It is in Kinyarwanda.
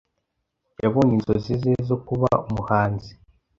Yabonye inzozi ze zo kuba umuhanzi.